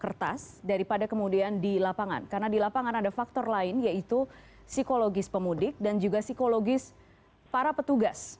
kertas daripada kemudian di lapangan karena di lapangan ada faktor lain yaitu psikologis pemudik dan juga psikologis para petugas